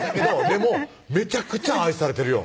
でもめちゃくちゃ愛されてるよ